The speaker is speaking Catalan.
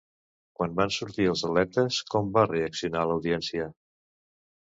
Quan van sortir els atletes, com va reaccionar l'audiència?